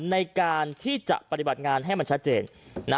ในการที่จะปฏิบัติงานให้มันชัดเจนนะ